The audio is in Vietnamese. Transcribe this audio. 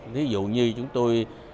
ví dụ như chúng tôi